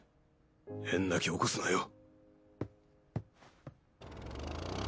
変な気起こすなよ！